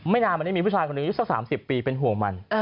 นานมานี้มีผู้ชายคนหนึ่งอายุสัก๓๐ปีเป็นห่วงมัน